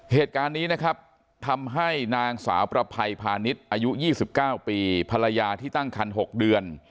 เหตุการณ์นี้นะครับทำให้นางสาวประภัยพาณิชย์อายุ๒๙ปีภรรยาที่ตั้งคัน๖เดือน